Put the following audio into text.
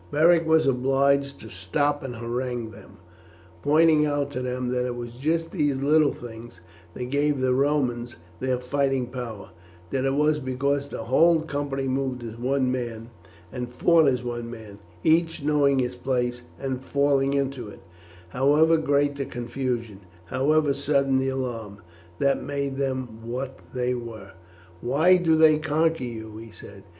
Beric was obliged to stop and harangue them, pointing out to them that it was just these little things that gave the Romans their fighting power; that it was because the whole company moved as one man, and fought as one man, each knowing his place and falling into it, however great the confusion, however sudden the alarm, that made them what they were. "Why do they conquer you?" he said.